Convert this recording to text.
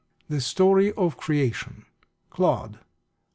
The Story of Creation, Clodd.